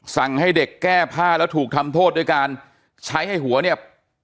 สั่งให้เด็กแก้ผ้าแล้วถูกทำโทษด้วยการใช้ให้หัวเนี่ย